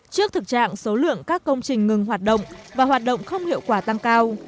trước thực trạng số lượng các công trình ngừng hoạt động và hoạt động không hiệu quả tăng cao